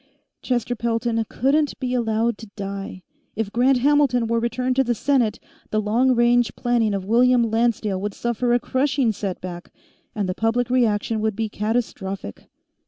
Chester Pelton couldn't be allowed to die. If Grant Hamilton were returned to the Senate, the long range planning of William Lancedale would suffer a crushing setback, and the public reaction would be catastrophic.